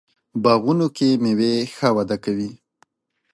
باغونو کې میوې ښه وده کوي.